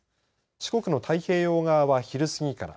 四国の太平洋側は昼過ぎから。